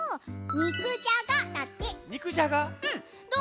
「肉じゃが」だって。